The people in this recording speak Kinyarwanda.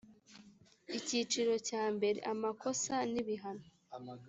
icyiciro cya mbere amakosa n ibihano